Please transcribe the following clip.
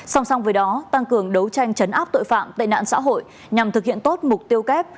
song song với đó tăng cường đấu tranh chấn áp tội phạm tệ nạn xã hội nhằm thực hiện tốt mục tiêu kép